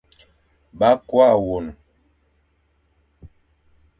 Ba kôa won.